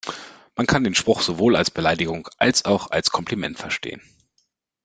Man kann den Spruch sowohl als Beleidigung als auch als Kompliment verstehen.